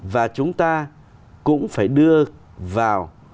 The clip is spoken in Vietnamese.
và chúng ta cũng phải đưa vào